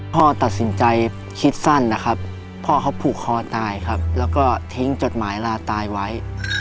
พ่อตัดสินใจคิดสั้นนะครับพ่อเขาผูกคอตายครับแล้วก็ทิ้งจดหมายลาตายไว้